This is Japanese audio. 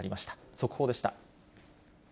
速報でした。